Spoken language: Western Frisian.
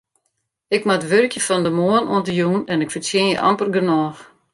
Ik moat wurkje fan de moarn oant de jûn en ik fertsjinje amper genôch.